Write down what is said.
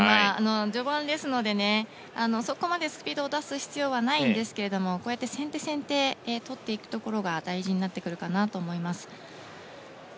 序盤ですのでそこまでスピードを出す必要はないんですけれどもこうやって先手、先手をとっていくところが大事になってくるかなと思います。